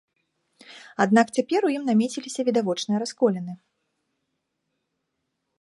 Аднак цяпер у ім намеціліся відавочныя расколіны.